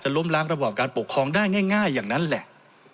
ล้มล้างระบอบการปกครองได้ง่ายอย่างนั้นแหละ